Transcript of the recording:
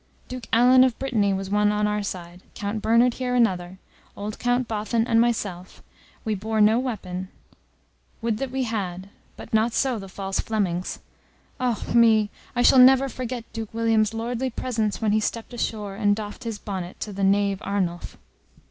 Duke Alan of Brittany was one on our side, Count Bernard here another, old Count Bothon and myself; we bore no weapon would that we had but not so the false Flemings. Ah me! I shall never forget Duke William's lordly presence when he stepped ashore, and doffed his bonnet to the knave Arnulf."